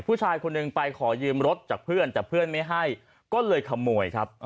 ผู้ชายคนหนึ่งไปขอยืมรถจากเพื่อนแต่เพื่อนไม่ให้ก็เลยขโมยครับ